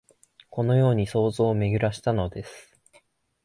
このように想像をめぐらしたのです